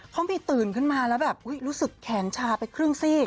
เขามีตื่นขึ้นมาแล้วแบบรู้สึกแขนชาไปครึ่งซี่